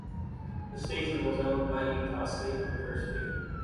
The station was owned by Utah State University.